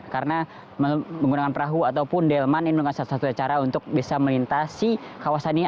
karena menggunakan perahu ataupun delman ini bukan satu satunya cara untuk bisa melintasi kawasannya